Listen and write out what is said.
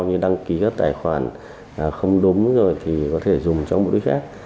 như đăng ký các tài khoản không đúng rồi thì có thể dùng cho mục đích khác